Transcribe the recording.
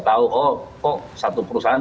tahu oh kok satu perusahaan